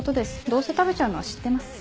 どうせ食べちゃうのは知ってます。